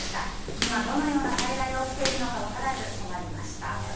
今、どのような災害が起きているのかわからず困りました。